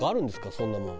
そんなもん。